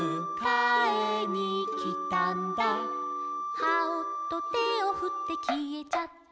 「『ハオ！』とてをふってきえちゃった」